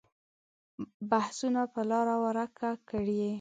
بحثونه به لاره ورکه کړي.